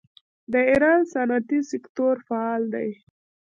د ایران صنعتي سکتور فعال دی.